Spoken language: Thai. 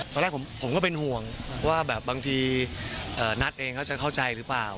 ตอนแรกผมก็เป็นห่วงว่าแบบบางทีนัทเองเขาจะเข้าใจหรือเปล่า